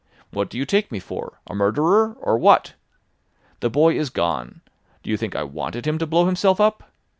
What do you take me for—a murderer, or what? The boy is gone. Do you think I wanted him to blow himself up?